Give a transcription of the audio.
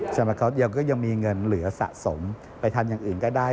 เขาก็ยังมีเงินเหลือสะสมไปทานอย่างอื่นก็ได้